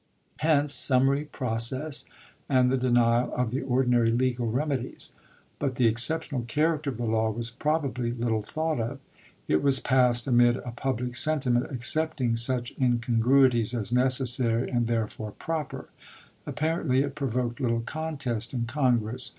Hence summary process and the denial of the ordinary legal reme dies. But the exceptional character of the law was probably little thought of. It was passed amid a public sentiment accepting such incongruities as necessary and therefore proper. Apparently it provoked little contest in Congress.